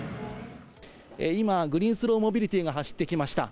今、グリーンスローモビリティが走ってきました。